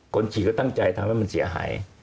คนขี่ก็ตั้งใจทำให้มันเสียหาย